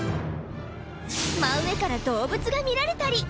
真上から動物が見られたり！